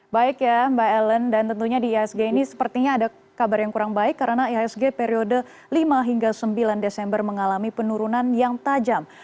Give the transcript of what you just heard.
baik ya mbak ellen dan tentunya di ihsg ini sepertinya ada kabar yang kurang baik karena ihsg periode lima hingga sembilan desember mengalami penurunan yang tajam